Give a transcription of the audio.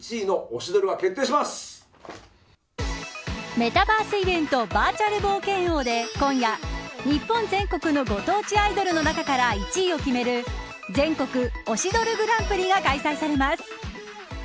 メタバースイベントバーチャル冒険王で今夜、日本全国のご当地アイドルの中から１位を決める全国推しドルグランプリが開催されます。